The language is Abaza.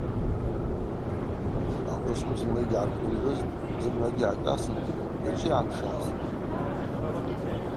Аурышвква зынла йгьгӏаргвнымгӏвызтӏ, зымгӏвагьи ашӏасын: – Йачӏвыйа йгӏаншаз?